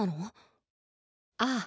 ああ。